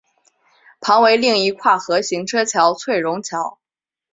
旁为另一跨河行车桥翠榕桥。